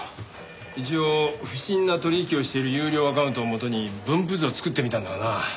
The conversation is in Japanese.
一応不審な取引をしている優良アカウントをもとに分布図を作ってみたんだがな